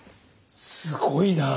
すごいなぁ。